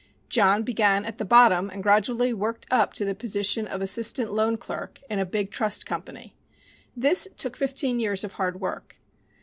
John began at the bottom and gradually worked up to the position of assistant loan clerk in a big trust company. This took fifteen years of hard work.